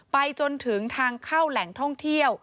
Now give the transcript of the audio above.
ไปจนถึงทางเข้าแหล่งท่องเที่ยว